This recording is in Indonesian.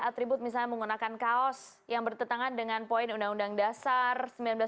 atribut misalnya menggunakan kaos yang bertentangan dengan poin undang undang dasar seribu sembilan ratus empat puluh